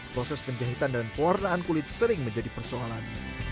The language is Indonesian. proses penjahitan dan pewarnaan kulit sering menjadi persoalan